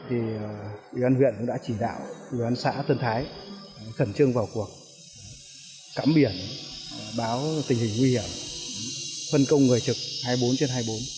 ubnd huyện đã chỉ đạo ubnd xã tân thái khẩn trương vào cuộc cắm biển báo tình hình nguy hiểm phân công người trực hai mươi bốn trên hai mươi bốn